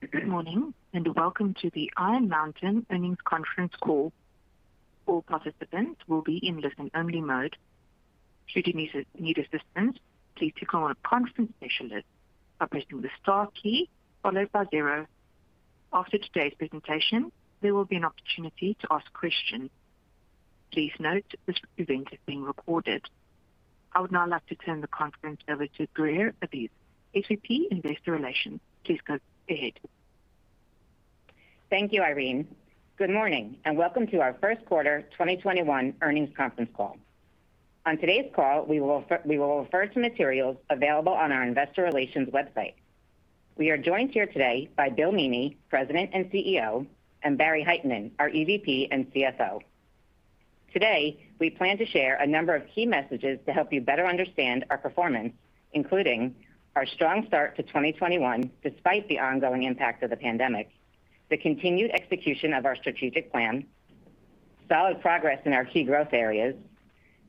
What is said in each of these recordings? Good morning, welcome to the Iron Mountain Earnings Conference Call. All participants will be in listen-only mode. Should you need assistance, please signal a conference specialist by pressing the star key followed by zero. After today's presentation, there will be an opportunity to ask questions. Please note, this event is being recorded. I would now like to turn the conference over to Greer Aviv, SVP Investor Relations. Please go ahead. Thank you, Irene. Good morning, welcome to our first quarter 2021 earnings conference call. On today's call, we will refer to materials available on our investor relations website. We are joined here today by Bill Meaney, President and CEO, and Barry Hytinen, our EVP and CFO. Today, we plan to share a number of key messages to help you better understand our performance, including our strong start to 2021, despite the ongoing impact of the pandemic, the continued execution of our strategic plan, solid progress in our key growth areas,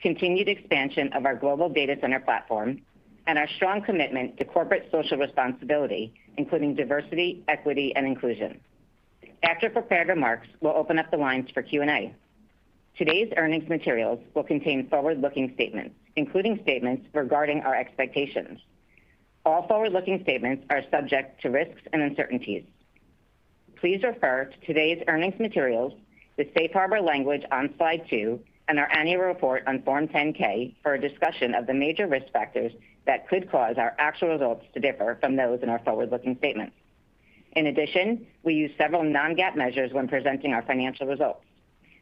continued expansion of our global data center platform, and our strong commitment to corporate social responsibility, including diversity, equity, and inclusion. After prepared remarks, we'll open up the lines for Q&A. Today's earnings materials will contain forward-looking statements, including statements regarding our expectations. All forward-looking statements are subject to risks and uncertainties. Please refer to today's earnings materials, the safe harbor language on slide two, and our annual report on Form 10-K for a discussion of the major risk factors that could cause our actual results to differ from those in our forward-looking statements. In addition, we use several non-GAAP measures when presenting our financial results.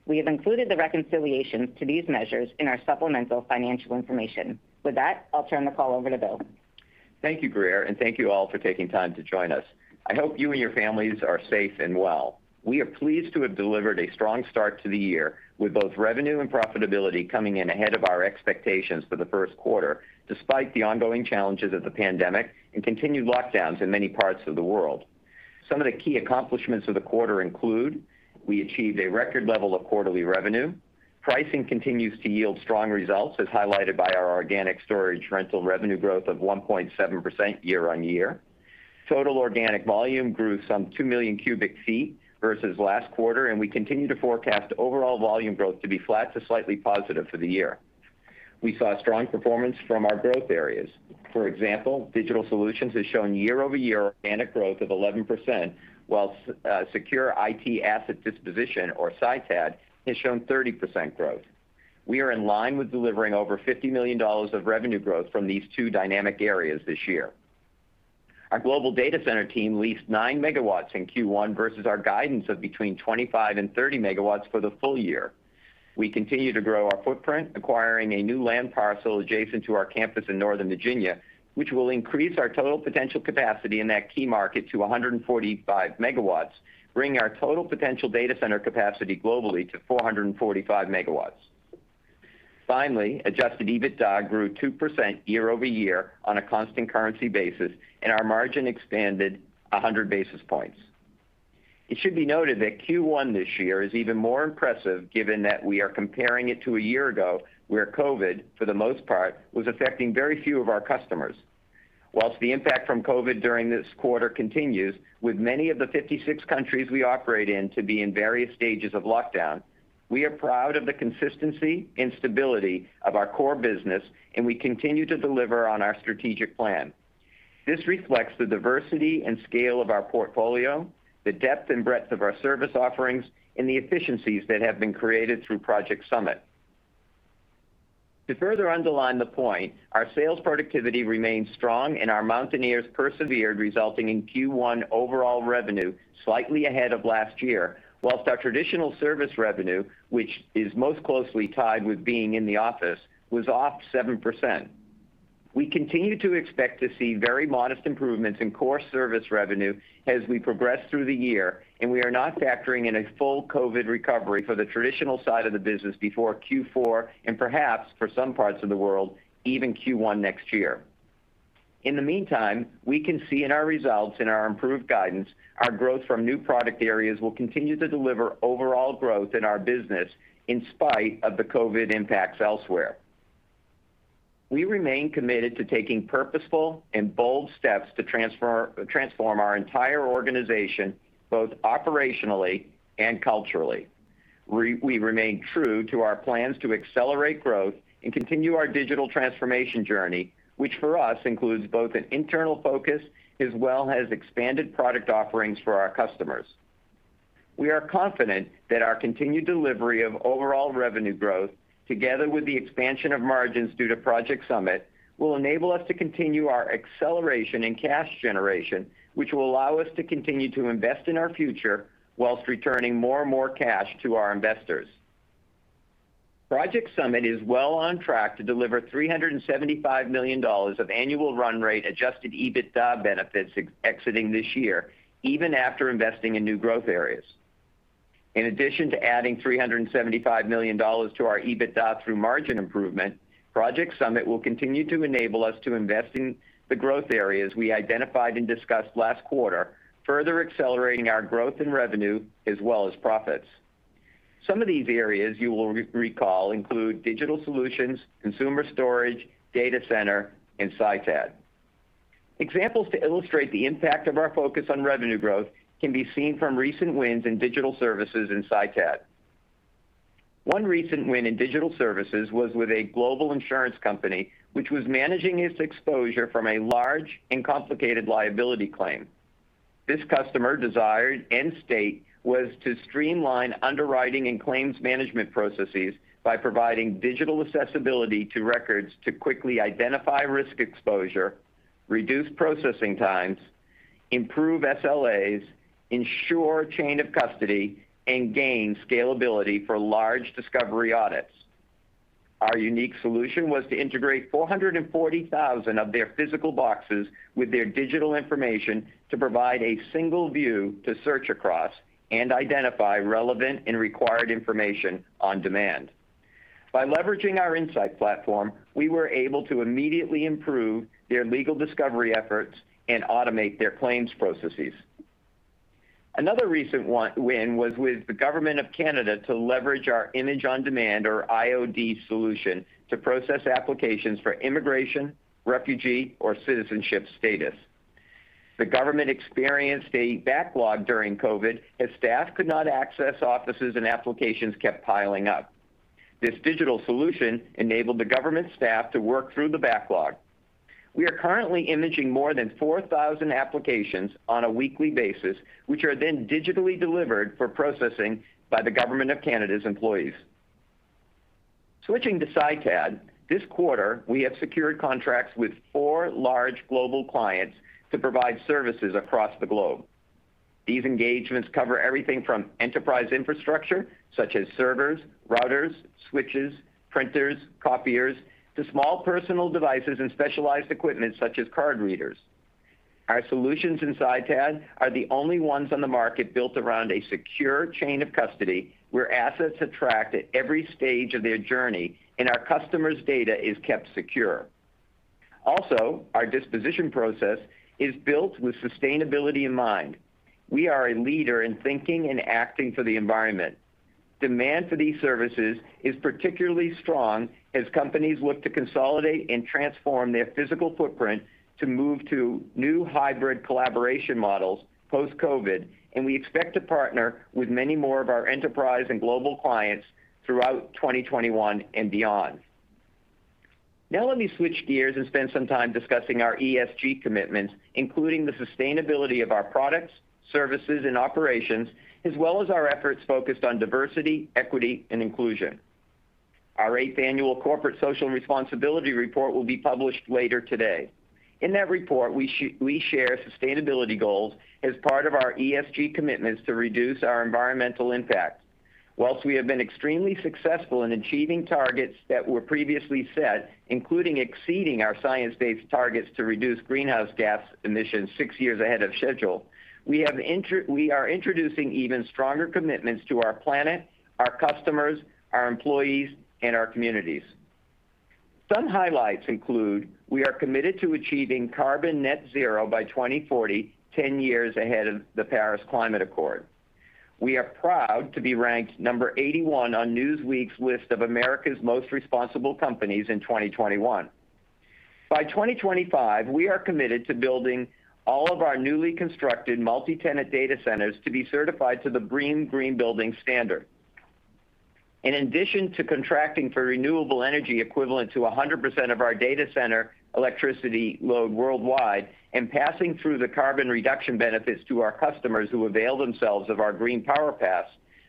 We have included the reconciliations to these measures in our supplemental financial information. With that, I'll turn the call over to Bill. Thank you, Greer, and thank you all for taking time to join us. I hope you and your families are safe and well. We are pleased to have delivered a strong start to the year with both revenue and profitability coming in ahead of our expectations for the first quarter, despite the ongoing challenges of the pandemic and continued lockdowns in many parts of the world. Some of the key accomplishments of the quarter include we achieved a record level of quarterly revenue. Pricing continues to yield strong results as highlighted by our organic storage rental revenue growth of 1.7% year-over-year. Total organic volume grew some 2 million cubic feet versus last quarter. We continue to forecast overall volume growth to be flat to slightly positive for the year. We saw strong performance from our growth areas. For example, Digital Solutions has shown year-over-year organic growth of 11%, whilst Secure IT Asset Disposition, or SITAD, has shown 30% growth. We are in line with delivering over $50 million of revenue growth from these two dynamic areas this year. Our global data center team leased nine MW in Q1 versus our guidance of between 25 and 30 MW for the full year. We continue to grow our footprint, acquiring a new land parcel adjacent to our campus in Northern Virginia, which will increase our total potential capacity in that key market to 145 MW, bringing our total potential data center capacity globally to 445 MW. Finally, adjusted EBITDA grew 2% year-over-year on a constant currency basis, and our margin expanded 100 basis points. It should be noted that Q1 this year is even more impressive given that we are comparing it to a year ago where COVID, for the most part, was affecting very few of our customers. Whilst the impact from COVID during this quarter continues with many of the 56 countries we operate in to be in various stages of lockdown, we are proud of the consistency and stability of our core business, and we continue to deliver on our strategic plan. This reflects the diversity and scale of our portfolio, the depth and breadth of our service offerings, and the efficiencies that have been created through Project Summit. To further underline the point, our sales productivity remains strong and our Mountaineers persevered, resulting in Q1 overall revenue slightly ahead of last year, whilst our traditional service revenue, which is most closely tied with being in the office, was off 7%. We continue to expect to see very modest improvements in core service revenue as we progress through the year, and we are not factoring in a full COVID recovery for the traditional side of the business before Q4 and perhaps for some parts of the world, even Q1 next year. In the meantime, we can see in our results and our improved guidance, our growth from new product areas will continue to deliver overall growth in our business in spite of the COVID impacts elsewhere. We remain committed to taking purposeful and bold steps to transform our entire organization, both operationally and culturally. We remain true to our plans to accelerate growth and continue our digital transformation journey, which for us includes both an internal focus as well as expanded product offerings for our customers. We are confident that our continued delivery of overall revenue growth, together with the expansion of margins due to Project Summit, will enable us to continue our acceleration in cash generation, which will allow us to continue to invest in our future whilst returning more and more cash to our investors. Project Summit is well on track to deliver $375 million of annual run rate adjusted EBITDA benefits exiting this year, even after investing in new growth areas. In addition to adding $375 million to our EBITDA through margin improvement, Project Summit will continue to enable us to invest in the growth areas we identified and discussed last quarter, further accelerating our growth in revenue as well as profits. Some of these areas you will recall include Digital Solutions, consumer storage, data center, and SITAD. Examples to illustrate the impact of our focus on revenue growth can be seen from recent wins in Digital Solutions in SITAD. One recent win in Digital Solutions was with a global insurance company, which was managing its exposure from a large and complicated liability claim. This customer desired end state was to streamline underwriting and claims management processes by providing digital accessibility to records to quickly identify risk exposure, reduce processing times, improve SLAs, ensure chain of custody, and gain scalability for large discovery audits. Our unique solution was to integrate 440,000 of their physical boxes with their digital information to provide a single view to search across and identify relevant and required information on demand. By leveraging our Iron Mountain InSight platform, we were able to immediately improve their legal discovery efforts and automate their claims processes. Another recent win was with the government of Canada to leverage our Image on Demand, or IOD solution, to process applications for immigration, refugee, or citizenship status. The government experienced a backlog during COVID as staff could not access offices and applications kept piling up. This digital solution enabled the government staff to work through the backlog. We are currently imaging more than 4,000 applications on a weekly basis, which are then digitally delivered for processing by the government of Canada's employees. Switching to SITAD, this quarter, we have secured contracts with four large global clients to provide services across the globe. These engagements cover everything from enterprise infrastructure such as servers, routers, switches, printers, copiers, to small personal devices and specialized equipment such as card readers. Our solutions in SITAD are the only ones on the market built around a secure chain of custody where assets are tracked at every stage of their journey and our customer's data is kept secure. Our disposition process is built with sustainability in mind. We are a leader in thinking and acting for the environment. Demand for these services is particularly strong as companies look to consolidate and transform their physical footprint to move to new hybrid collaboration models post-COVID, and we expect to partner with many more of our enterprise and global clients throughout 2021 and beyond. Let me switch gears and spend some time discussing our ESG commitments, including the sustainability of our products, services, and operations, as well as our efforts focused on diversity, equity, and inclusion. Our eighth annual corporate social responsibility report will be published later today. In that report, we share sustainability goals as part of our ESG commitments to reduce our environmental impact. Whilst we have been extremely successful in achieving targets that were previously set, including exceeding our science-based targets to reduce greenhouse gas emissions six years ahead of schedule, we are introducing even stronger commitments to our planet, our customers, our employees, and our communities. Some highlights include we are committed to achieving carbon net zero by 2040, 10 years ahead of the Paris Climate Accord. We are proud to be ranked number 81 on Newsweek's list of America's most responsible companies in 2021. By 2025, we are committed to building all of our newly constructed multi-tenant data centers to be certified to the BREEAM green building standard. In addition to contracting for renewable energy equivalent to 100% of our data center electricity load worldwide and passing through the carbon reduction benefits to our customers who avail themselves of our Green Power Pass,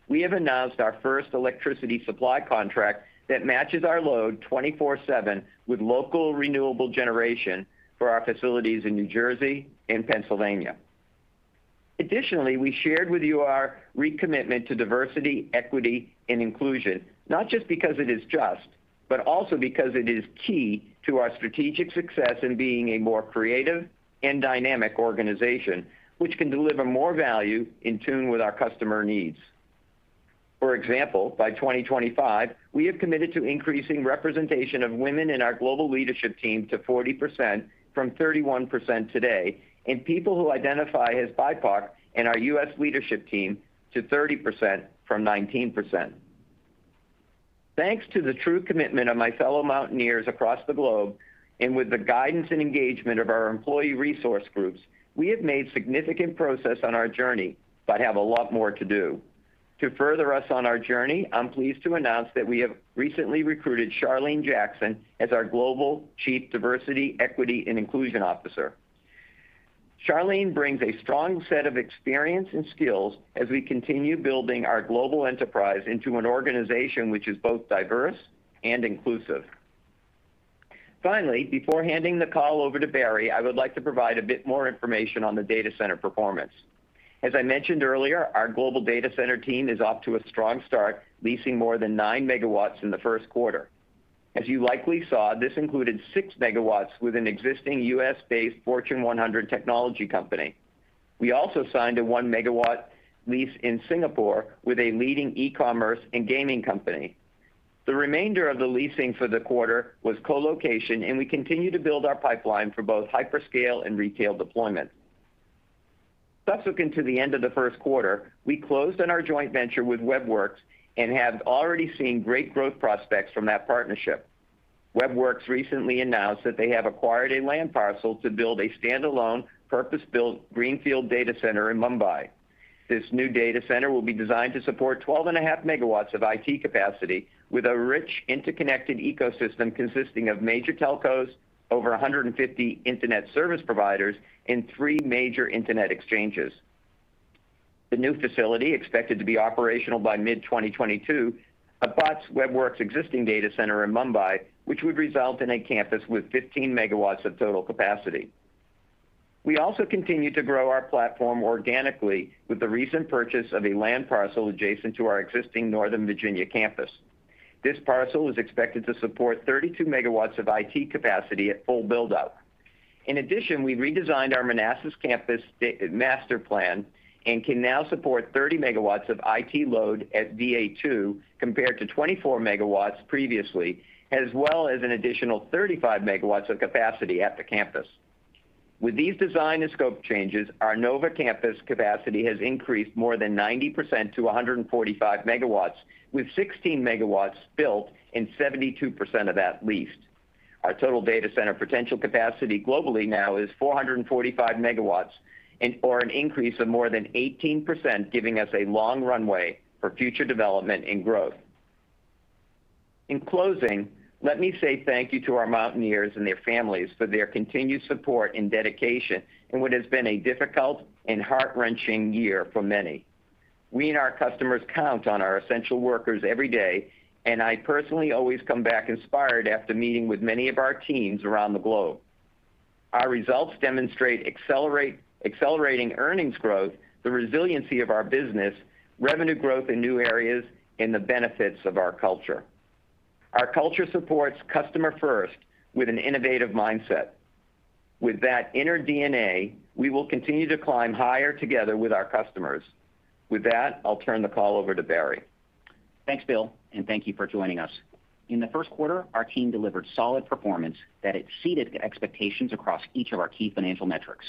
we have announced our first electricity supply contract that matches our load 24/7 with local renewable generation for our facilities in New Jersey and Pennsylvania. We shared with you our recommitment to diversity, equity, and inclusion, not just because it is just, but also because it is key to our strategic success in being a more creative and dynamic organization, which can deliver more value in tune with our customer needs. By 2025, we have committed to increasing representation of women in our global leadership team to 40% from 31% today, and people who identify as BIPOC in our U.S. leadership team to 30% from 19%. Thanks to the true commitment of my fellow Mountaineers across the globe and with the guidance and engagement of our employee resource groups, we have made significant progress on our journey, but have a lot more to do. To further us on our journey, I'm pleased to announce that we have recently recruited Charlene Jackson as our Global Chief Diversity, Equity, and Inclusion Officer. Charlene brings a strong set of experience and skills as we continue building our global enterprise into an organization which is both diverse and inclusive. Finally, before handing the call over to Barry, I would like to provide a bit more information on the data center performance. As I mentioned earlier, our global data center team is off to a strong start, leasing more than 9 MW in the first quarter. As you likely saw, this included six MW with an existing U.S.-based Fortune 100 technology company. We also signed a one MW lease in Singapore with a leading e-commerce and gaming company. The remainder of the leasing for the quarter was co-location, and we continue to build our pipeline for both hyperscale and retail deployment. Subsequent to the end of the first quarter, we closed on our joint venture with Web Werks and have already seen great growth prospects from that partnership. Web Werks recently announced that they have acquired a land parcel to build a standalone, purpose-built greenfield data center in Mumbai. This new data center will be designed to support 12.5 MW of IT capacity with a rich, interconnected ecosystem consisting of major telcos, over 150 internet service providers, and three major internet exchanges. The new facility, expected to be operational by mid-2022, abuts Web Werks existing data center in Mumbai, which would result in a campus with 15 MW of total capacity. We also continue to grow our platform organically with the recent purchase of a land parcel adjacent to our existing NoVA Campus. This parcel is expected to support 32 MW of IT capacity at full build-out. In addition, we redesigned our Manassas campus master plan and can now support 30 MW of IT load at VA2 compared to 24 MW previously, as well as an additional 35 MW of capacity at the campus. With these design and scope changes, our NoVA Campus capacity has increased more than 90% to 145 MW, with 16 MW built and 72% of that leased. Our total data center potential capacity globally now is 445 MW or an increase of more than 18%, giving us a long runway for future development and growth. In closing, let me say thank you to our Mountaineers and their families for their continued support and dedication in what has been a difficult and heart-wrenching year for many. We and our customers count on our essential workers every day. I personally always come back inspired after meeting with many of our teams around the globe. Our results demonstrate accelerating earnings growth, the resiliency of our business, revenue growth in new areas, and the benefits of our culture. Our culture supports customer first with an innovative mindset. With that inner DNA, we will continue to climb higher together with our customers. With that, I'll turn the call over to Barry. Thanks, Bill, and thank you for joining us. In the first quarter, our team delivered solid performance that exceeded expectations across each of our key financial metrics.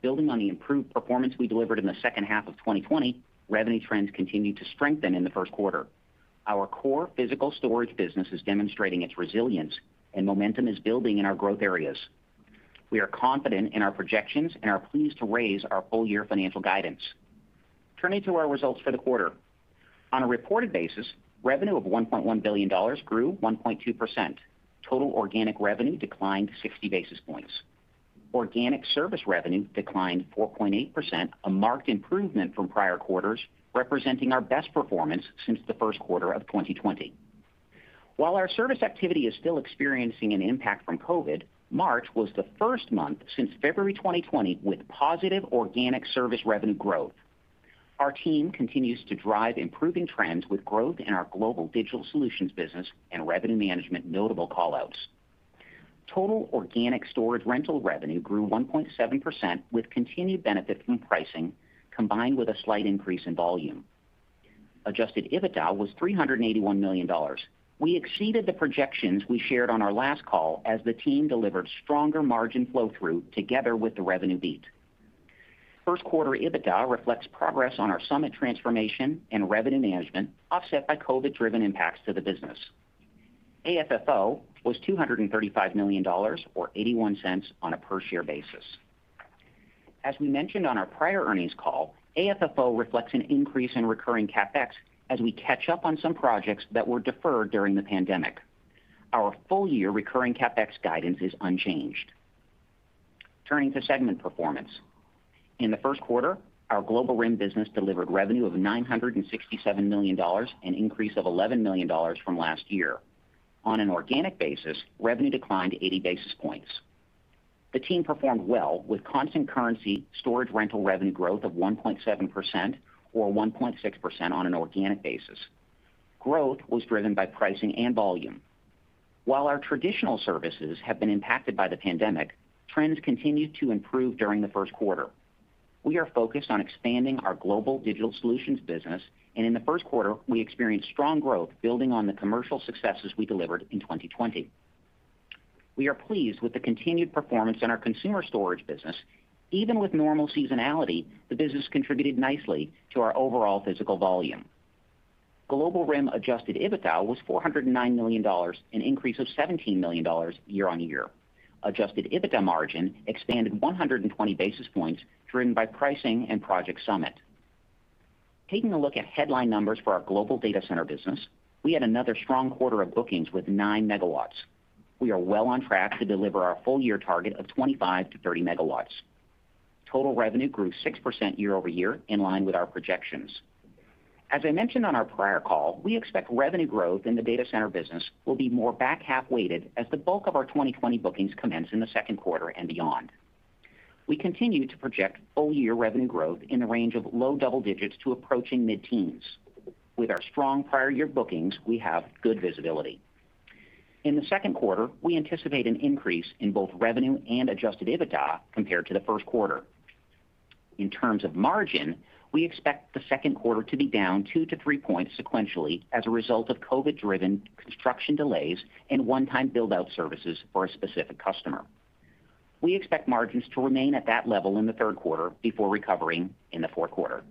Building on the improved performance we delivered in the second half of 2020, revenue trends continued to strengthen in the first quarter. Our core physical storage business is demonstrating its resilience and momentum is building in our growth areas. We are confident in our projections and are pleased to raise our full-year financial guidance. Turning to our results for the quarter. On a reported basis, revenue of $1.1 billion grew 1.2%. Total organic revenue declined 60 basis points. Organic service revenue declined 4.8%, a marked improvement from prior quarters, representing our best performance since the first quarter of 2020. While our service activity is still experiencing an impact from COVID, March was the first month since February 2020 with positive organic service revenue growth. Our team continues to drive improving trends with growth in our global Digital Solutions business and revenue management notable callouts. Total organic storage rental revenue grew 1.7% with continued benefit from pricing, combined with a slight increase in volume. Adjusted EBITDA was $381 million. We exceeded the projections we shared on our last call as the team delivered stronger margin flow-through together with the revenue beat. First quarter EBITDA reflects progress on our Summit transformation and revenue management, offset by COVID-driven impacts to the business. AFFO was $235 million, or $0.81 on a per-share basis. As we mentioned on our prior earnings call, AFFO reflects an increase in recurring CapEx as we catch up on some projects that were deferred during the pandemic. Our full-year recurring CapEx guidance is unchanged. Turning to segment performance. In the first quarter, our Global RIM business delivered revenue of $967 million, an increase of $11 million from last year. On an organic basis, revenue declined 80 basis points. The team performed well with constant currency storage rental revenue growth of 1.7%, or 1.6% on an organic basis. Growth was driven by pricing and volume. While our traditional services have been impacted by the pandemic, trends continued to improve during the first quarter. We are focused on expanding our global Digital Solutions business, and in the first quarter, we experienced strong growth building on the commercial successes we delivered in 2020. We are pleased with the continued performance in our consumer storage business. Even with normal seasonality, the business contributed nicely to our overall physical volume. Global RIM adjusted EBITDA was $409 million, an increase of $17 million year-on-year. Adjusted EBITDA margin expanded 120 basis points driven by pricing and Project Summit. Taking a look at headline numbers for our global data center business, we had another strong quarter of bookings with nine MW. We are well on track to deliver our full-year target of 25-30 MW. Total revenue grew 6% year-over-year, in line with our projections. As I mentioned on our prior call, we expect revenue growth in the data center business will be more back-half weighted as the bulk of our 2020 bookings commence in the second quarter and beyond. We continue to project full-year revenue growth in the range of low double digits to approaching mid-teens. With our strong prior year bookings, we have good visibility. In the second quarter, we anticipate an increase in both revenue and adjusted EBITDA compared to the first quarter. In terms of margin, we expect the second quarter to be down two-three points sequentially as a result of COVID-driven construction delays and one-time build-out services for a specific customer. We expect margins to remain at that level in the third quarter before recovering in the fourth quarter.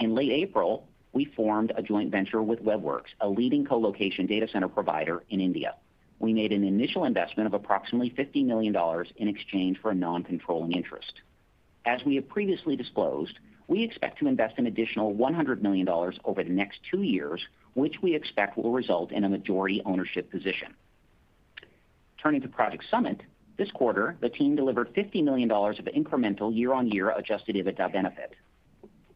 In late April, we formed a joint venture with Web Werks, a leading colocation data center provider in India. We made an initial investment of approximately $50 million in exchange for a non-controlling interest. As we have previously disclosed, we expect to invest an additional $100 million over the next two years, which we expect will result in a majority ownership position. Turning to Project Summit, this quarter, the team delivered $50 million of incremental year-on-year adjusted EBITDA benefit.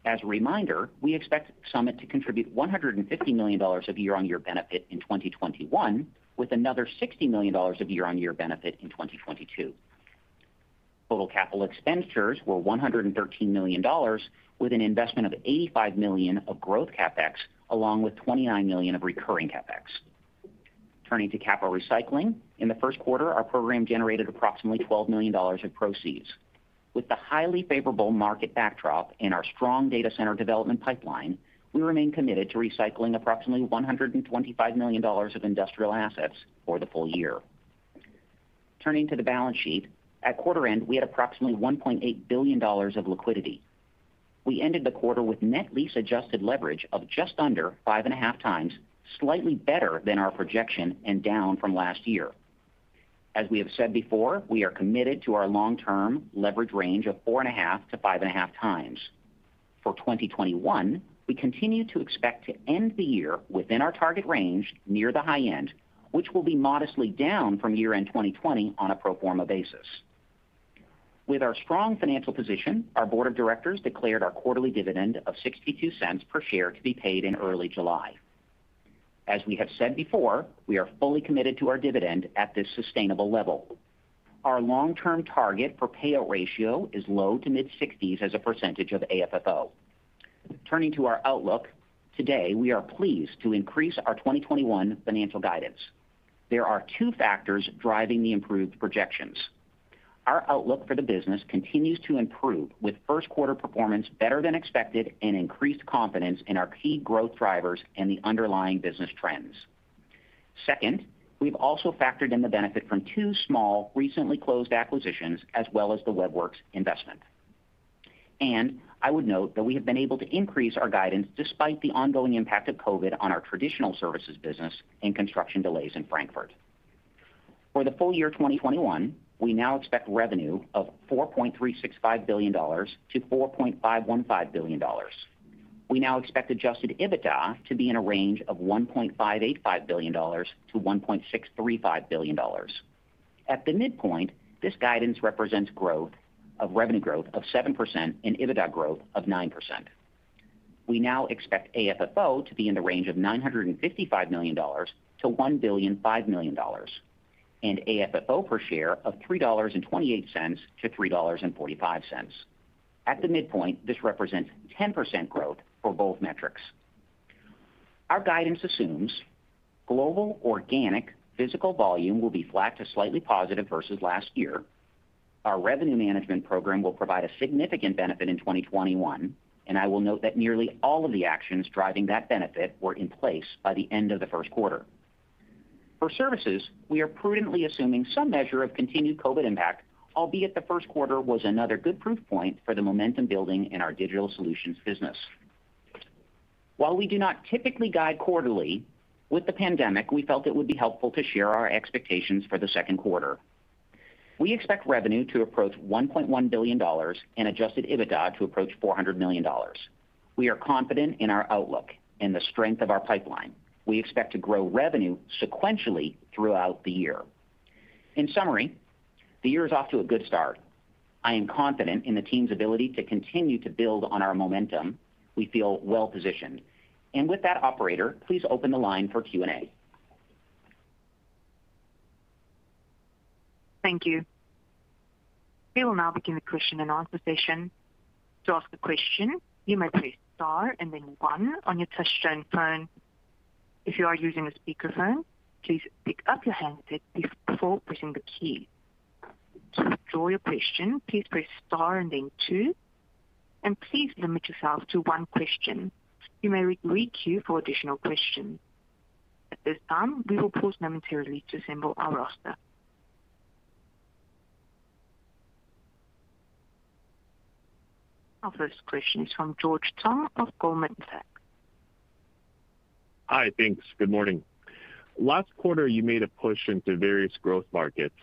As a reminder, we expect Summit to contribute $150 million of year-on-year benefit in 2021, with another $60 million of year-on-year benefit in 2022. Total capital expenditures were $113 million, with an investment of $85 million of growth CapEx, along with $29 million of recurring CapEx. Turning to capital recycling. In the first quarter, our program generated approximately $12 million of proceeds. With the highly favorable market backdrop and our strong data center development pipeline, we remain committed to recycling approximately $125 million of industrial assets for the full year. Turning to the balance sheet. At quarter end, we had approximately $1.8 billion of liquidity. We ended the quarter with net lease adjusted leverage of just under five and a half times, slightly better than our projection, and down from last year. As we have said before, we are committed to our long-term leverage range of 4.5-5.5 times. For 2021, we continue to expect to end the year within our target range, near the high end, which will be modestly down from year-end 2020 on a pro forma basis. With our strong financial position, our board of directors declared our quarterly dividend of $0.62 per share to be paid in early July. As we have said before, we are fully committed to our dividend at this sustainable level. Our long-term target for payout ratio is low-to-mid 60s as a percentage of AFFO. Turning to our outlook. Today, we are pleased to increase our 2021 financial guidance. There are two factors driving the improved projections. Our outlook for the business continues to improve with first quarter performance better than expected and increased confidence in our key growth drivers and the underlying business trends. Second, we've also factored in the benefit from two small, recently closed acquisitions, as well as the Web Werks investment. I would note that we have been able to increase our guidance despite the ongoing impact of COVID on our traditional services business and construction delays in Frankfurt. For the full year 2021, we now expect revenue of $4.365 billion-$4.515 billion. We now expect adjusted EBITDA to be in a range of $1.585 billion-$1.635 billion. At the midpoint, this guidance represents revenue growth of 7% and EBITDA growth of 9%. We now expect AFFO to be in the range of $955 million-$1.005 billion, and AFFO per share of $3.28-$3.45. At the midpoint, this represents 10% growth for both metrics. Our guidance assumes global organic physical volume will be flat to slightly positive versus last year. Our revenue management program will provide a significant benefit in 2021, and I will note that nearly all of the actions driving that benefit were in place by the end of the first quarter. For services, we are prudently assuming some measure of continued COVID impact, albeit the first quarter was another good proof point for the momentum building in our Digital Solutions business. While we do not typically guide quarterly, with the pandemic, we felt it would be helpful to share our expectations for the second quarter. We expect revenue to approach $1.1 billion and adjusted EBITDA to approach $400 million. We are confident in our outlook and the strength of our pipeline. We expect to grow revenue sequentially throughout the year. In summary, the year is off to a good start. I am confident in the team's ability to continue to build on our momentum. We feel well-positioned. With that, operator, please open the line for Q&A. Thank you. We will now begin the question and answer session. To ask a question, you may press star and then one on your touchtone phone. If you are using a speakerphone, please pick up your handset before pressing the key. To withdraw your question, please press star and then two. Please limit yourself to one question. You may re-queue for additional questions. At this time, we will pause momentarily to assemble our roster. Our first question is from George Tong of Goldman Sachs. Hi. Thanks. Good morning. Last quarter, you made a push into various growth markets.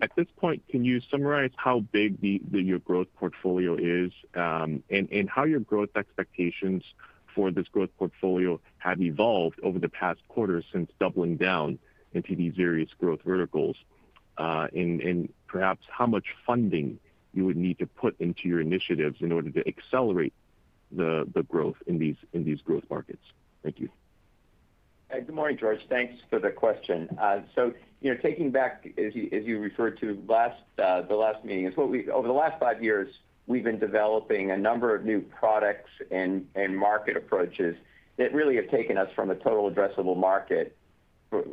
At this point, can you summarize how big your growth portfolio is and how your growth expectations for this growth portfolio have evolved over the past quarter since doubling down into these various growth verticals? Perhaps how much funding you would need to put into your initiatives in order to accelerate the growth in these growth markets. Thank you. Good morning, George. Thanks for the question. As you referred to the last meeting, over the last five years, we've been developing a number of new products and market approaches that really have taken us from a total addressable market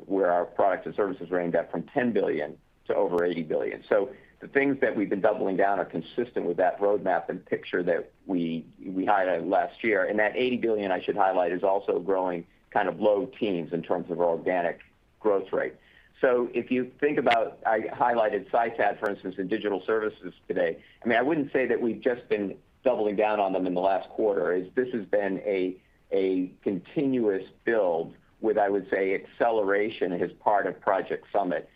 Where our products and services are aimed at from $10 billion to over $80 billion. The things that we've been doubling down are consistent with that roadmap and picture that we highlighted last year. That $80 billion, I should highlight, is also growing low teens in terms of organic growth rate. If you think about, I highlighted SITAD, for instance, in digital services today. I wouldn't say that we've just been doubling down on them in the last quarter. This has been a continuous build with, I would say, acceleration as part of Project Summit.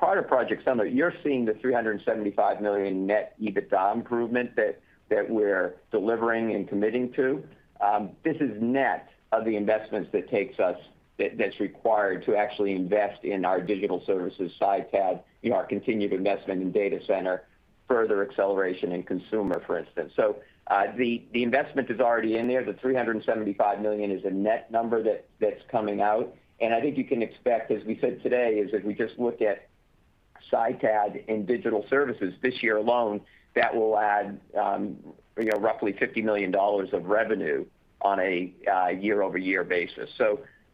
Part of Project Summit, you're seeing the $375 million net EBITDA improvement that we're delivering and committing to. This is net of the investments that's required to actually invest in our digital services, SITAD, our continued investment in data center, further acceleration in consumer, for instance. The investment is already in there. The $375 million is a net number that's coming out. I think you can expect, as we said today, is if we just look at SITAD and Digital Solutions this year alone, that will add roughly $50 million of revenue on a year-over-year basis.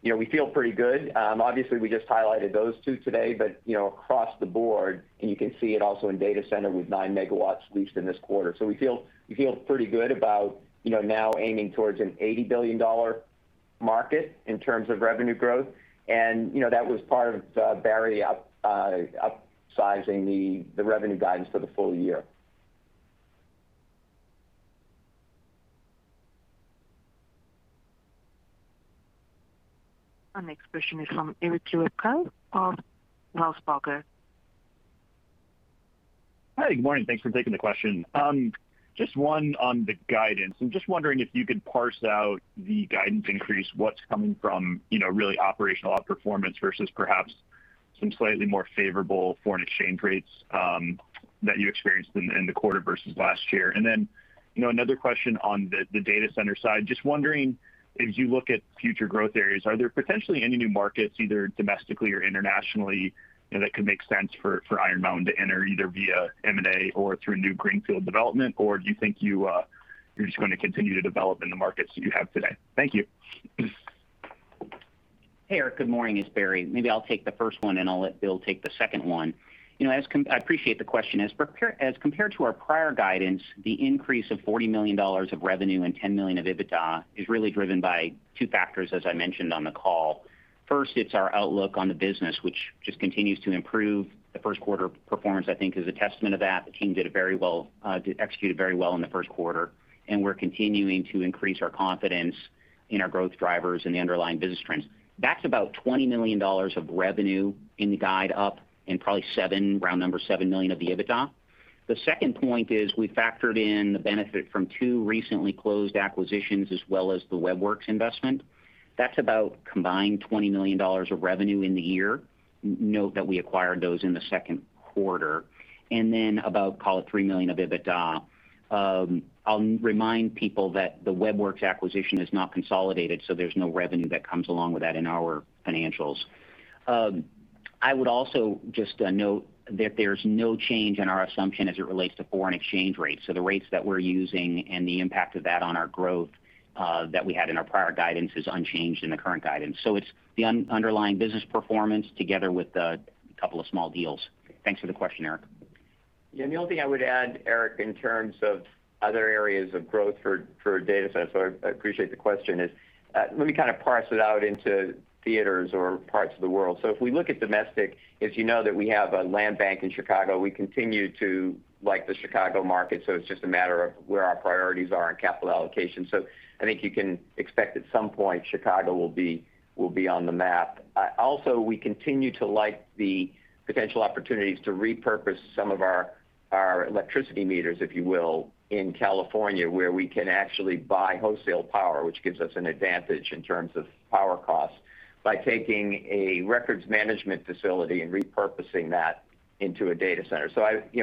We feel pretty good. Obviously, we just highlighted those two today, but across the board, and you can see it also in data center with 9 MW leased in this quarter. We feel pretty good about now aiming towards an $80 billion market in terms of revenue growth. That was part of Barry upsizing the revenue guidance for the full year. Our next question is from Eric of Wells Fargo. Hi, good morning. Thanks for taking the question. Just one on the guidance. I'm just wondering if you could parse out the guidance increase, what's coming from really operational outperformance versus perhaps some slightly more favorable foreign exchange rates that you experienced in the quarter versus last year. Another question on the data center side. Just wondering, as you look at future growth areas, are there potentially any new markets, either domestically or internationally, that could make sense for Iron Mountain to enter, either via M&A or through new greenfield development? Do you think you're just going to continue to develop in the markets that you have today? Thank you. Hey, Eric, good morning. It's Barry. Maybe I'll take the first one, and I'll let Bill take the second one. I appreciate the question. As compared to our prior guidance, the increase of $40 million of revenue and $10 million of EBITDA is really driven by two factors, as I mentioned on the call. First, it's our outlook on the business, which just continues to improve. The first quarter performance, I think, is a testament to that. The team executed very well in the first quarter, and we're continuing to increase our confidence in our growth drivers and the underlying business trends. That's about $20 million of revenue in the guide up and probably seven, round number, $7 million of the EBITDA. The second point is we factored in the benefit from two recently closed acquisitions, as well as the Web Werks investment. That's about combined $20 million of revenue in the year. Note that we acquired those in the second quarter. Then about, call it $3 million of EBITDA. I'll remind people that the Web Werks acquisition is not consolidated, so there's no revenue that comes along with that in our financials. I would also just note that there's no change in our assumption as it relates to foreign exchange rates. The rates that we're using and the impact of that on our growth that we had in our prior guidance is unchanged in the current guidance. It's the underlying business performance together with a couple of small deals. Thanks for the question, Eric. Yeah, the only thing I would add, Eric, in terms of other areas of growth for data centers, so I appreciate the question, is let me kind of parse it out into theaters or parts of the world. If we look at domestic, as you know that we have a land bank in Chicago, we continue to like the Chicago market, so it's just a matter of where our priorities are in capital allocation. I think you can expect at some point Chicago will be on the map. Also, we continue to like the potential opportunities to repurpose some of our electricity meters, if you will, in California, where we can actually buy wholesale power, which gives us an advantage in terms of power costs, by taking a records management facility and repurposing that into a data center.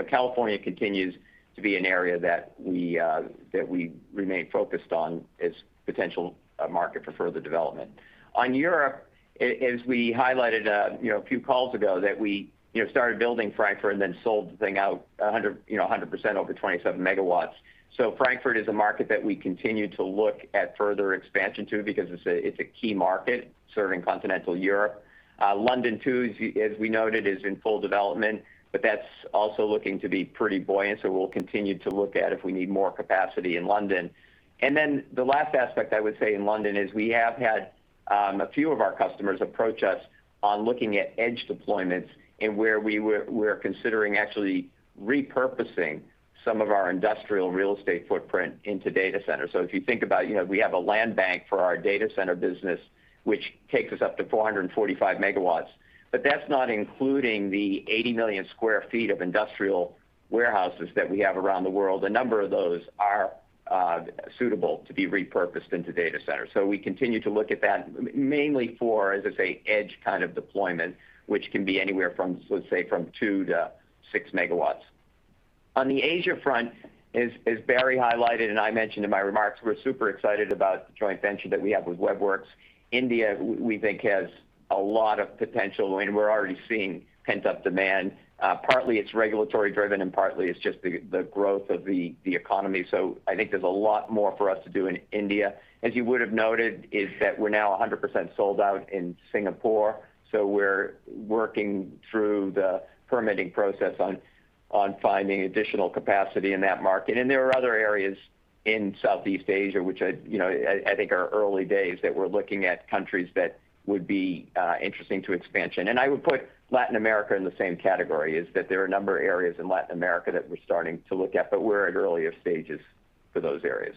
California continues to be an area that we remain focused on as potential market for further development. On Europe, as we highlighted a few calls ago, that we started building Frankfurt and then sold the thing out 100% over 27 MW. Frankfurt is a market that we continue to look at further expansion to because it's a key market serving continental Europe. London too, as we noted, is in full development, but that's also looking to be pretty buoyant, so we'll continue to look at if we need more capacity in London. The last aspect I would say in London is we have had a few of our customers approach us on looking at edge deployments and where we're considering actually repurposing some of our industrial real estate footprint into data centers. If you think about, we have a land bank for our data center business, which takes us up to 445 MW. That's not including the 80 million square feet of industrial warehouses that we have around the world. A number of those are suitable to be repurposed into data centers. We continue to look at that mainly for, as I say, edge kind of deployment, which can be anywhere from, let's say, from two to six MW. On the Asia front, as Barry highlighted and I mentioned in my remarks, we're super excited about the joint venture that we have with Web Werks. India, we think, has a lot of potential, and we're already seeing pent-up demand. Partly it's regulatory driven, and partly it's just the growth of the economy. I think there's a lot more for us to do in India. As you would have noted is that we're now 100% sold out in Singapore, so we're working through the permitting process on finding additional capacity in that market. There are other areas in Southeast Asia, which I think are early days, that we're looking at countries that would be interesting to expansion. I would put Latin America in the same category, is that there are a number of areas in Latin America that we're starting to look at, but we're at earlier stages for those areas.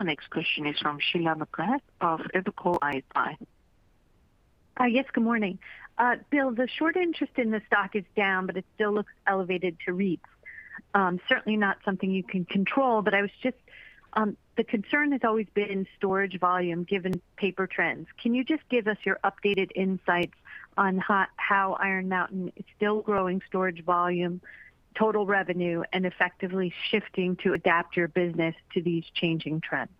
The next question is from Sheila McGrath of Evercore ISI. Hi, yes. Good morning. Bill, the short interest in the stock is down, it still looks elevated to REITs. Certainly not something you can control, the concern has always been storage volume given paper trends. Can you just give us your updated insights on how Iron Mountain is still growing storage volume, total revenue, and effectively shifting to adapt your business to these changing trends?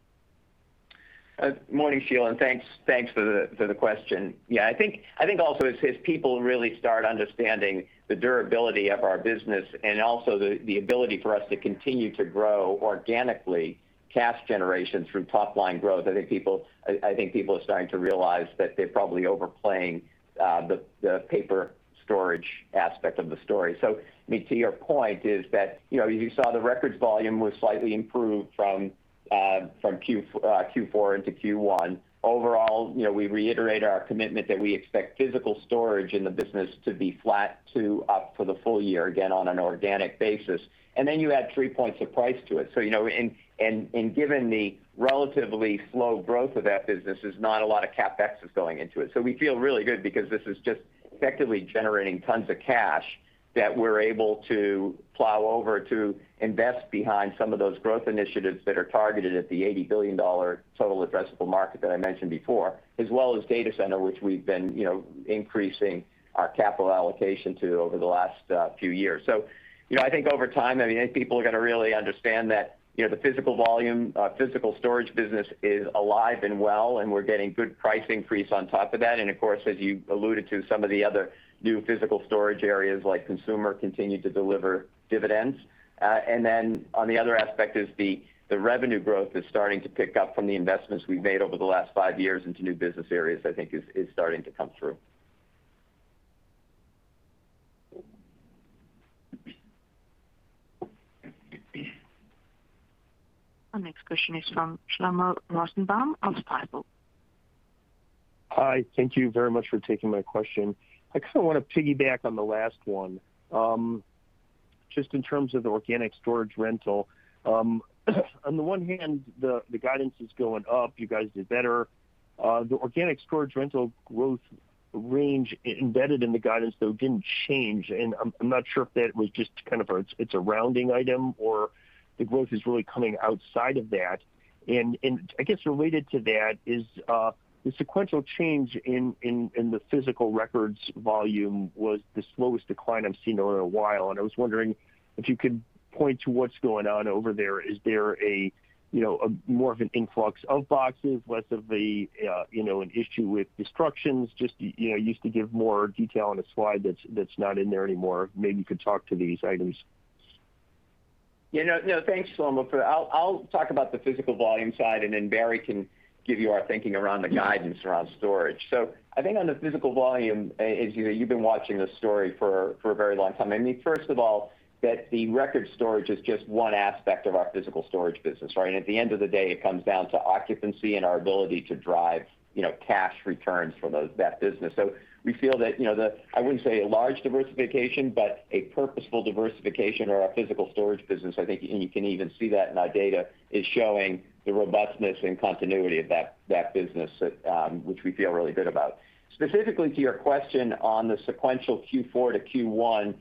Morning, Sheila, and thanks for the question. Yeah, I think also as people really start understanding the durability of our business and also the ability for us to continue to grow organically, cash generation through top-line growth, I think people are starting to realize that they're probably overplaying the paper storage aspect of the story. I mean, to your point is that, you saw the records volume was slightly improved from Q4 into Q1. Overall, we reiterate our commitment that we expect physical storage in the business to be flat to up for the full year, again, on an organic basis. Then you add three points of price to it. Given the relatively slow growth of that business, there's not a lot of CapEx that's going into it. We feel really good because this is just effectively generating tons of cash that we're able to plow over to invest behind some of those growth initiatives that are targeted at the $80 billion total addressable market that I mentioned before, as well as data center, which we've been increasing our capital allocation to over the last few years. I think over time, I think people are going to really understand that the physical volume, physical storage business is alive and well, and we're getting good pricing fees on top of that. Of course, as you alluded to, some of the other new physical storage areas like Consumer continue to deliver dividends. On the other aspect is the revenue growth is starting to pick up from the investments we've made over the last five years into new business areas, I think is starting to come through. Our next question is from Shlomo Rosenbaum of Stifel. Hi, thank you very much for taking my question. I kind of want to piggyback on the last one. Just in terms of the organic storage rental. On the one hand, the guidance is going up. You guys did better. The organic storage rental growth range embedded in the guidance, though, didn't change. I'm not sure if that was just kind of a rounding item or the growth is really coming outside of that. I guess related to that is the sequential change in the physical records volume was the slowest decline I've seen in a while, and I was wondering if you could point to what's going on over there. Is there more of an influx of boxes, less of an issue with destructions? Just, you used to give more detail on a slide that's not in there anymore. Maybe you could talk to these items. Yeah, no, thanks, Shlomo. I'll talk about the physical volume side, and then Barry can give you our thinking around the guidance around storage. I think on the physical volume, as you've been watching this story for a very long time, I mean, first of all, that the record storage is just one aspect of our physical storage business. Right? At the end of the day, it comes down to occupancy and our ability to drive cash returns for that business. We feel that the, I wouldn't say a large diversification, but a purposeful diversification or our physical storage business, I think, and you can even see that in our data, is showing the robustness and continuity of that business, which we feel really good about. Specifically to your question on the sequential Q4 to Q1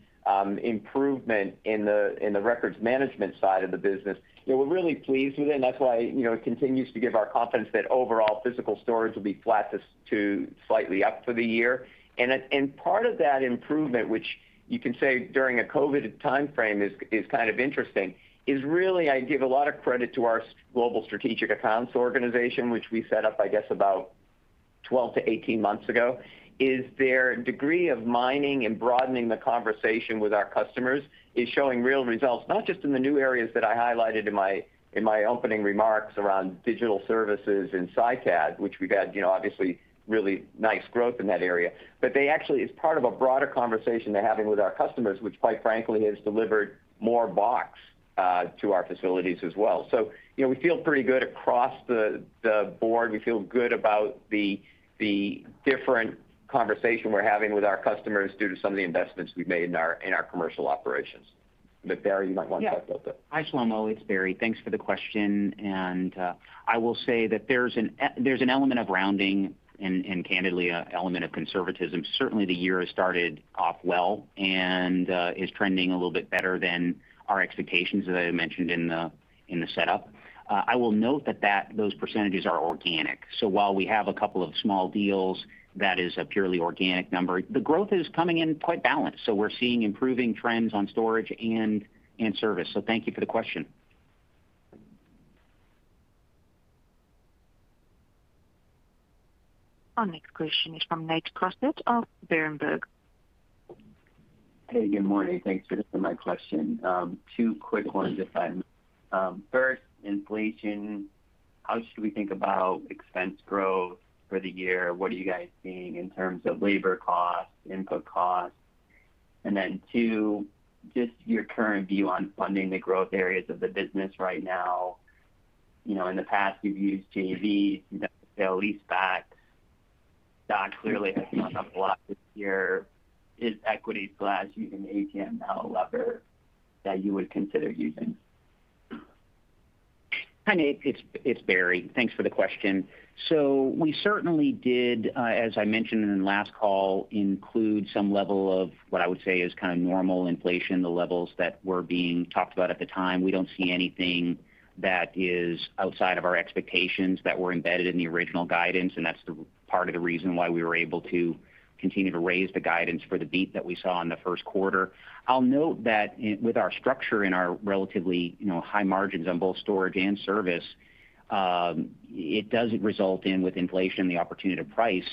improvement in the records management side of the business, we're really pleased with it, that's why it continues to give our confidence that overall physical storage will be flat to slightly up for the year. Part of that improvement, which you can say during a COVID timeframe is kind of interesting, is really, I give a lot of credit to our global strategic accounts organization, which we set up, I guess, about 12-18 months ago, is their degree of mining and broadening the conversation with our customers is showing real results, not just in the new areas that I highlighted in my opening remarks around Digital Solutions and SITAD, which we've had obviously really nice growth in that area. They actually, as part of a broader conversation they're having with our customers, which quite frankly, has delivered more box to our facilities as well. We feel pretty good across the board. We feel good about the different conversation we're having with our customers due to some of the investments we've made in our commercial operations. Barry, you might want to talk about that. Yeah. Hi, Shlomo, it's Barry. Thanks for the question. I will say that there's an element of rounding and candidly, an element of conservatism. Certainly, the year has started off well and is trending a little bit better than our expectations, as I mentioned in the setup. I will note that those percentages are organic. While we have a couple of small deals, that is a purely organic number. The growth is coming in quite balanced. We're seeing improving trends on storage and in service. Thank you for the question. Our next question is from Nathan Crossett of Berenberg. Hey, good morning. Thanks for taking my question. Two quick ones if I may. First, inflation. How should we think about expense growth for the year? What are you guys seeing in terms of labor costs, input costs? Two, just your current view on funding the growth areas of the business right now. In the past, you've used JVs, sale-leaseback. That clearly has come up a lot this year. Is equity plus using ATM now a lever that you would consider using? Hi, Nathan Crossett. It's Barry Hytinen. Thanks for the question. We certainly did, as I mentioned in last call, include some level of what I would say is kind of normal inflation, the levels that were being talked about at the time. We don't see anything that is outside of our expectations that were embedded in the original guidance, and that's the part of the reason why we were able to continue to raise the guidance for the beat that we saw in the first quarter. I'll note that with our structure and our relatively high margins on both storage and service, it doesn't result in, with inflation, the opportunity to price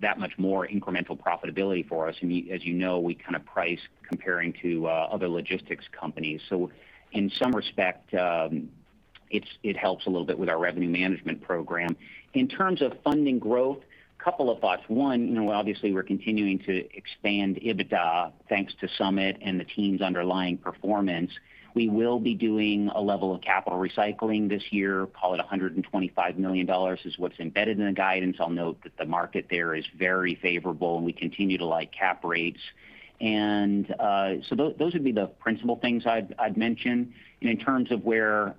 that much more incremental profitability for us. As you know, we kind of price comparing to other logistics companies. In some respect, it helps a little bit with our revenue management program. In terms of funding growth, couple of thoughts. Obviously we're continuing to expand EBITDA thanks to Project Summit and the team's underlying performance. We will be doing a level of capital recycling this year, call it $125 million, is what's embedded in the guidance. I'll note that the market there is very favorable. We continue to like cap rates. Those would be the principal things I'd mention. In terms of where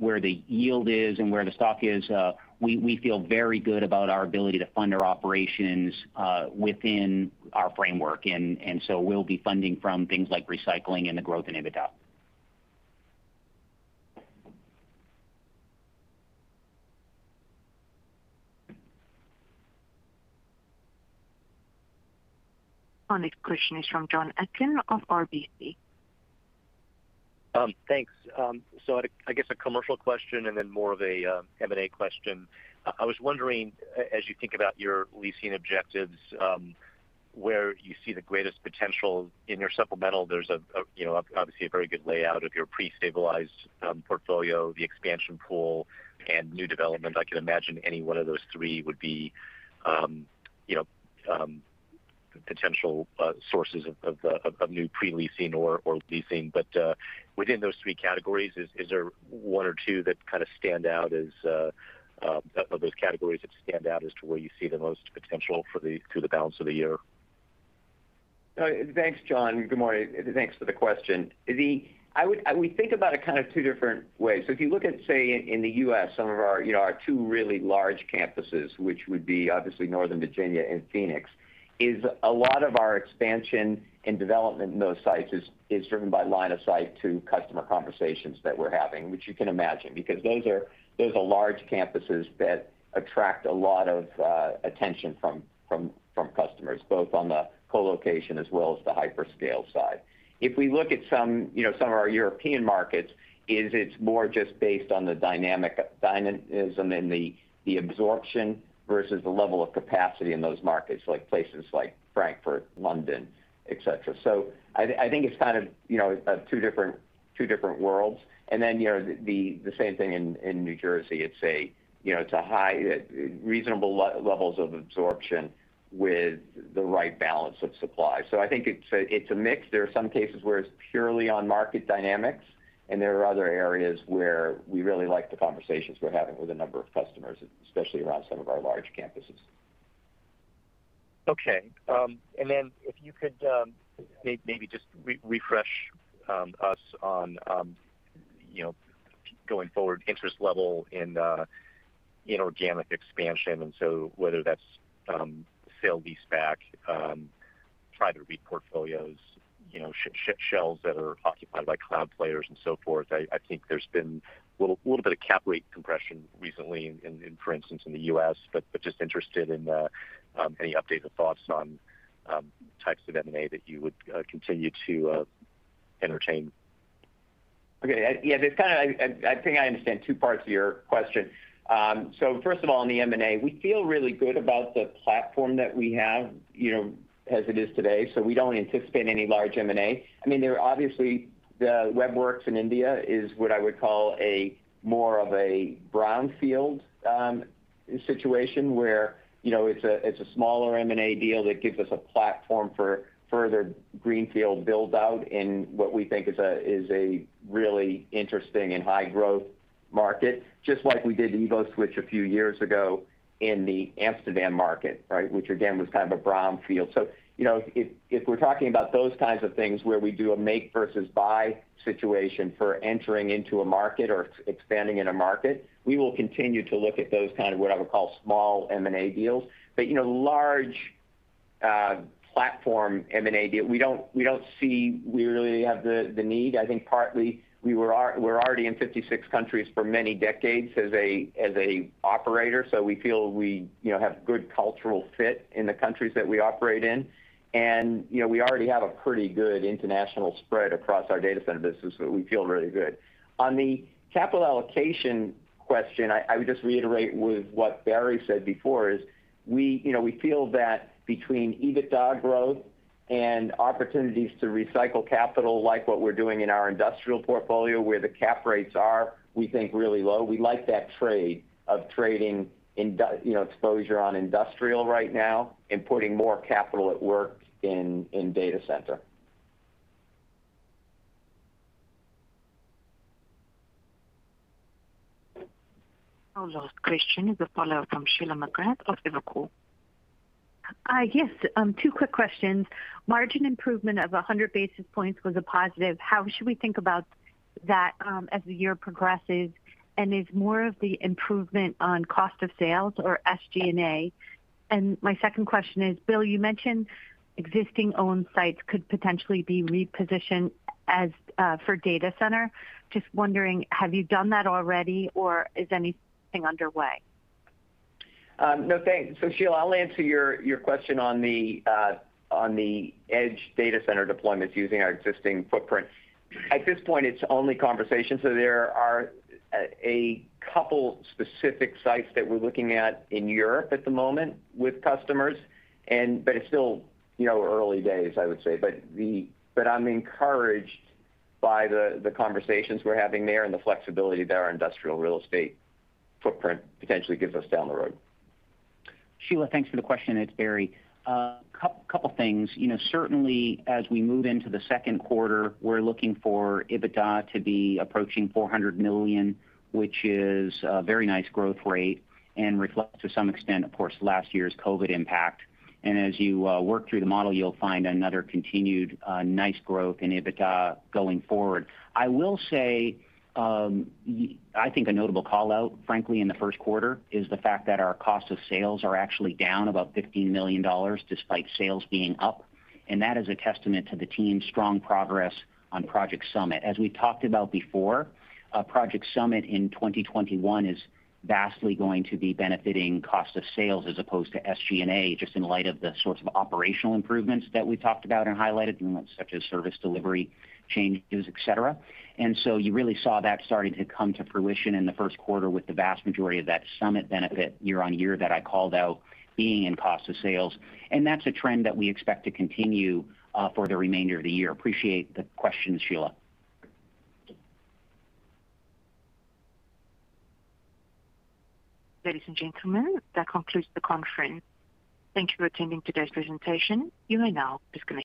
the yield is and where the stock is, we feel very good about our ability to fund our operations within our framework. We'll be funding from things like recycling and the growth in EBITDA. Our next question is from Jonathan Atkin of RBC. Thanks. I guess a commercial question and then more of a M&A question. I was wondering, as you think about your leasing objectives, where you see the greatest potential. In your supplemental, there's obviously a very good layout of your pre-stabilized portfolio, the expansion pool and new development. I can imagine any one of those three would be potential sources of new pre-leasing or leasing. Within those three categories, is there one or two that kind of stand out as those categories that stand out as to where you see the most potential through the balance of the year? Thanks, Jonathan Atkin. Good morning. Thanks for the question. We think about it kind of two different ways. If you look at, say, in the U.S., some of our two really large campuses, which would be obviously Northern Virginia and Phoenix, is a lot of our expansion and development in those sites is driven by line of sight to customer conversations that we're having, which you can imagine. Those are large campuses that attract a lot of attention from customers, both on the co-location as well as the hyperscale side. If we look at some of our European markets, is it's more just based on the dynamism in the absorption versus the level of capacity in those markets, like places like Frankfurt, London, et cetera. I think it's kind of two different worlds. Then the same thing in New Jersey. It's a high, reasonable levels of absorption with the right balance of supply. I think it's a mix. There are some cases where it's purely on market dynamics, and there are other areas where we really like the conversations we're having with a number of customers, especially around some of our large campuses. Okay. If you could maybe just refresh us on going forward interest level in organic expansion, whether that's sale-leaseback, REIT portfolios, shells that are occupied by cloud players and so forth. I think there's been little bit of cap rate compression recently in, for instance, in the U.S., just interested in any updates or thoughts on types of M&A that you would continue to entertain. Okay. Yeah. I think I understand two parts of your question. First of all, on the M&A, we feel really good about the platform that we have as it is today. We don't anticipate any large M&A. There are obviously the Web Werks in India is what I would call a more of a brownfield situation where it's a smaller M&A deal that gives us a platform for further greenfield build-out in what we think is a really interesting and high growth market. Just like we did EvoSwitch a few years ago in the Amsterdam market, right? Which again, was kind of a brownfield. If we're talking about those kinds of things where we do a make versus buy situation for entering into a market or expanding in a market, we will continue to look at those kind of what I would call small M&A deals. Large platform M&A deal, we don't see we really have the need. I think partly we're already in 56 countries for many decades as a operator. We feel we have good cultural fit in the countries that we operate in. We already have a pretty good international spread across our data center business, so we feel really good. On the capital allocation question, I would just reiterate with what Barry said before is we feel that between EBITDA growth Opportunities to recycle capital, like what we're doing in our industrial portfolio, where the cap rates are, we think, really low. We like that trade of trading exposure on industrial right now and putting more capital at work in data center. Our last question is a follow from Sheila McGrath of Evercore. Yes. Two quick questions. Margin improvement of 100 basis points was a positive. How should we think about that as the year progresses? Is more of the improvement on cost of sales or SG&A? My second question is, Bill, you mentioned existing owned sites could potentially be repositioned for data center. Just wondering, have you done that already or is anything underway? No, thanks. Sheila, I'll answer your question on the edge data center deployments using our existing footprint. At this point, it's only conversations. There are a couple specific sites that we're looking at in Europe at the moment with customers. It's still early days, I would say. I'm encouraged by the conversations we're having there and the flexibility that our industrial real estate footprint potentially gives us down the road. Sheila, thanks for the question. It's Barry. Couple things. Certainly, as we move into the second quarter, we're looking for EBITDA to be approaching $400 million, which is a very nice growth rate and reflects to some extent, of course, last year's COVID impact. As you work through the model, you'll find another continued nice growth in EBITDA going forward. I will say, I think a notable call-out, frankly, in the first quarter is the fact that our cost of sales are actually down about $15 million, despite sales being up. That is a testament to the team's strong progress on Project Summit. As we talked about before, Project Summit in 2021 is vastly going to be benefiting cost of sales as opposed to SG&A, just in light of the sorts of operational improvements that we talked about and highlighted, such as service delivery changes, et cetera. You really saw that starting to come to fruition in the first quarter with the vast majority of that Project Summit benefit year-over-year that I called out being in cost of sales. That's a trend that we expect to continue for the remainder of the year. Appreciate the question, Sheila. Ladies and gentlemen, that concludes the conference. Thank you for attending today's presentation. You may now disconnect.